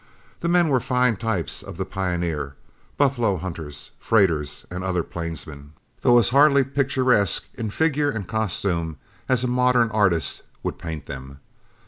The men were fine types of the pioneer, buffalo hunters, freighters, and other plainsmen, though hardly as picturesque in figure and costume as a modern artist would paint them.